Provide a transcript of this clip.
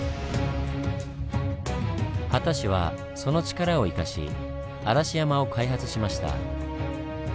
秦氏はその力を生かし嵐山を開発しました。